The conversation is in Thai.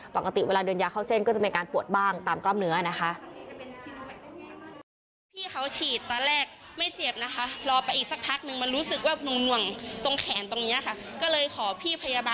ปกติเวลาเดินยาเข้าเส้นก็จะมีการปวดบ้างตามกล้ามเนื้อนะคะ